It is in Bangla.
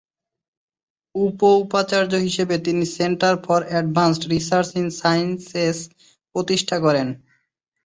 উপ-উপাচার্য হিসেবে তিনি centre for advanced research in sciences প্রতিষ্ঠা করেন।